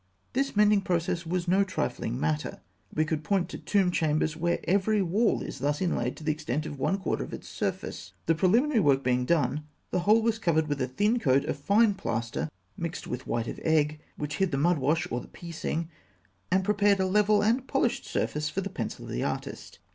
This mending process was no trifling matter. We could point to tomb chambers where every wall is thus inlaid to the extent of one quarter of its surface. The preliminary work being done, the whole was covered with a thin coat of fine plaster mixed with white of egg, which hid the mud wash or the piecing, and prepared a level and polished surface for the pencil of the artist.